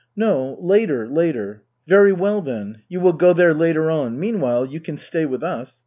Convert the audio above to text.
"No, later, later." "Very well, then. You will go there later on. Meanwhile you can stay with us.